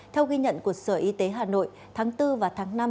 theo ghi nhận của sở y tế hà nội tháng bốn và tháng năm